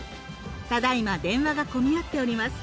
ただいま電話が混み合っております。